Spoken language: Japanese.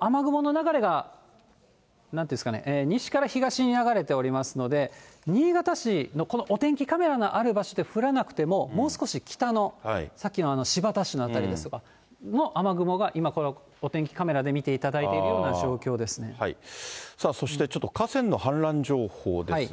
雨雲の流れが、なんて言うんですかね、西から東に流れておりますので、新潟市のこのお天気カメラのある場所で降らなくても、もう少し北の、さっきの新発田市の辺りですとか、の、雨雲が今、このお天気カメラで見ていただいているような状況さあそして、それもこちらで。